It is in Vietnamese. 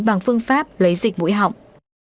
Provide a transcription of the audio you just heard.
bằng phương pháp lấy dịch mũi họng